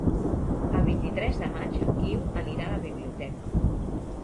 El vint-i-tres de maig en Guiu anirà a la biblioteca.